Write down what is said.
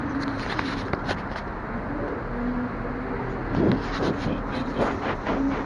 La jeune femme est également modèle de mode.